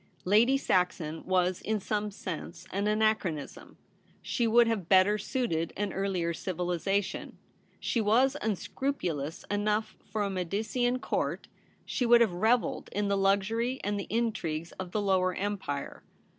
Lady Saxon was in some sense an anachronism ; she would have better suited an earlier civilization. She was unscrupulous enough for a Medicean Court; she would have revelled in the luxury and the intrigues of the Lower Empire.